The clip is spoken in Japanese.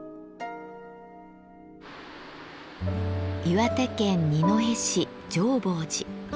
岩手県二戸市浄法寺。